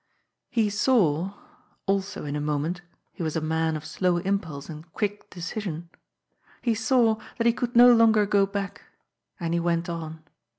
He saw — also in a moment ; he was a man of slow inv pulse and quick decision — he saw that he could no longer go back. And he went on.